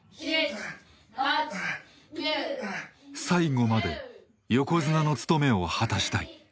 最後まで横綱の務めを果たしたい。